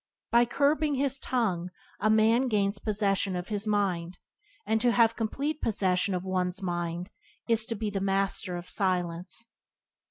By curbing his tongue a man gains possession of his mind, and to have complete possession of one's mind is to be a Master of Silence.